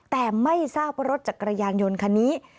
แต่ไม่ทราบว่ารถจักรยานยนต์คันนี้